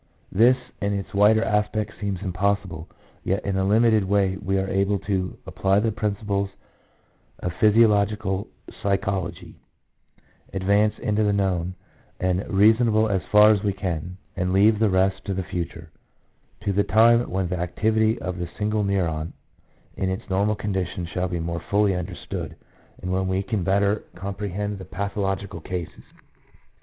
2 This in its wider aspects seems impossible, yet in a limited way we are able to apply the principles of physiolo gical psychology, advance into the known and reasonable as far as we can, and leave the rest to the future — to the time when the activity of the single neuron in its normal condition shall be more fully understood, and when we can better comprehend the pathological cases.